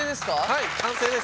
はい完成です。